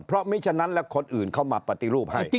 เพราะไม่ฉะนั้นแล้วคนอื่นเข้ามาปฏิรูปให้